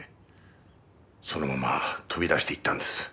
そのまま飛び出して行ったんです。